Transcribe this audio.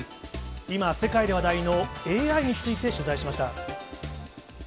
今、世界で話題のＡＩについて取材しました。